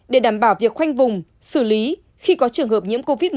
để đảm bảo việc khoanh vùng xử lý khi có trường hợp nhiễm covid một mươi chín